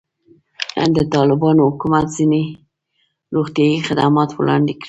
د طالبانو حکومت ځینې روغتیایي خدمات وړاندې کړي.